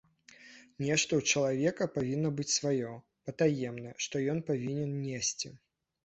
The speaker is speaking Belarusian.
Нешта ў чалавека павінна быць сваё, патаемнае, што ён павінен несці.